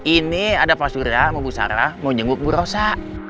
ini ada pak suria mbak bu sarah mau jenguk bu rosa